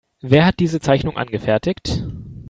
Wer hat diese Zeichnung angefertigt?